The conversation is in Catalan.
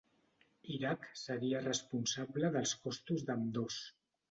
Iraq seria responsable dels costos d'ambdós.